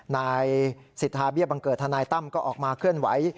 นายสิทธาเบี้ยบังเกิดทนายตั้มก็ออกมาเคลื่อนไหว